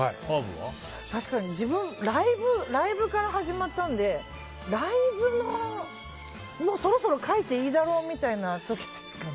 自分、ライブから始まったのでライブのそろそろ書いていいだろうみたいな時ですかね。